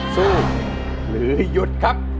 สู้หรือหยุดครับ